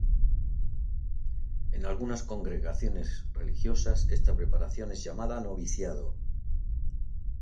En algunas congregaciones religiosas, esta preparación es llamada noviciado.